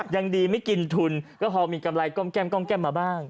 ยังดีไม่กินทุนก็พอมีกำไรก้อมแก้มแก้มมาบ้าง